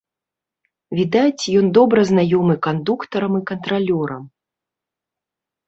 Відаць, ён добра знаёмы кандуктарам і кантралёрам.